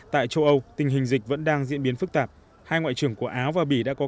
tại châu âu tình hình dịch vẫn đang diễn biến phức tạp hai ngoại trưởng của áo và bỉ đã có